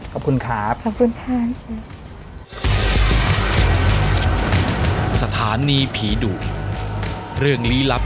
ขอบคุณครับ